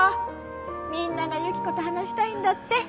みんなが由希子と話したいんだって。